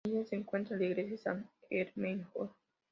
En ella se encuentra la iglesia de San Ermengol.